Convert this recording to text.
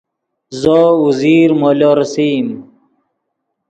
زو اوزیر مولو ریسئیم